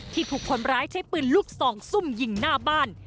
ที่ถูกพ้นร้ายใช้ปืนลูก๒ซุ่มยิงหน้าบ้าน